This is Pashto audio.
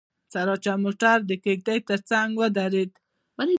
سراچه موټر د کېږدۍ تر څنګ ودرېد.